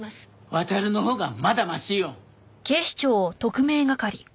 亘のほうがまだマシよ。